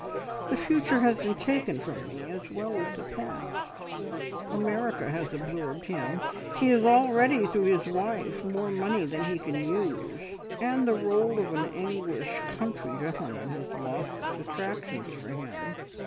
The future has been taken from me, as well as the past. America has absorbed him. He has already, through his wife, more money than he can use, and the role of an English country gentleman has lost its attractions for him.